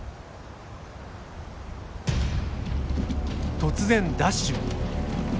突然ダッシュ！